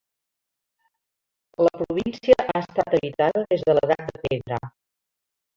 La província ha estat habitada des de l'Edat de Pedra.